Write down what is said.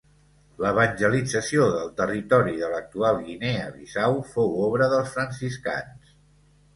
L'evangelització del territori de l'actual Guinea Bissau fou obra dels franciscans.